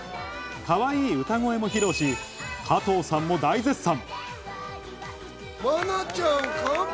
かわいい歌声も披露し、加藤さんも大絶賛。